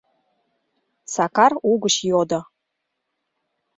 — Сакар угыч йодо.